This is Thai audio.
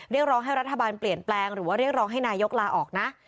เรียกร้องให้รัฐบาลเปลี่ยนแปลงหรือว่าเรียกร้องให้นายกลาออกนะ